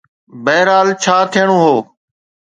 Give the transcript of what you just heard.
بهرحال، ڇا ٿيڻو هو.